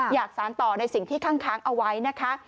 อยากสารต่อในสิ่งที่คั่งค้างเอาไว้นะคะ